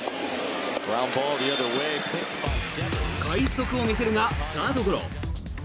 快足を見せるが、サードゴロ。